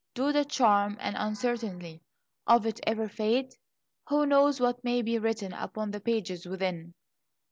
Do the charm and uncertainty of it ever fade? Who knows what may be written upon the pages within!